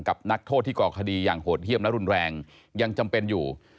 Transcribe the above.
นักโทษที่ก่อคดีอย่างโหดเยี่ยมและรุนแรงยังจำเป็นอยู่